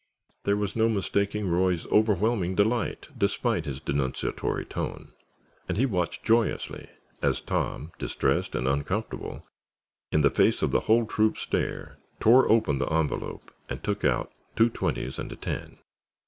There was no mistaking Roy's overwhelming delight, despite his denunciatory tone and he watched joyously as Tom, distressed and uncomfortable, in face of the whole troop's stare, tore open the envelope and took out two twenties and a ten.